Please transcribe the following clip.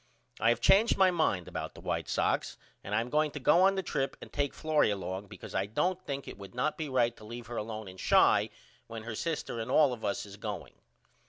I have changed my mind about the White Sox and I am going to go on the trip and take Florrie along because I don't think it would not be right to leave her alone in Chi when her sister and all of us is going.